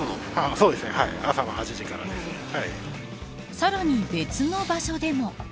さらに、別の場所でも。